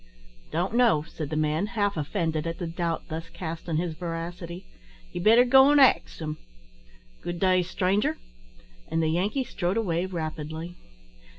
"Don't know," said the man, half offended at the doubt thus cast on his veracity; "ye better go an' ax him. Good day, stranger;" and the Yankee strode away rapidly.